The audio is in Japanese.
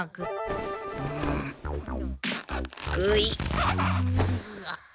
ぐいっ。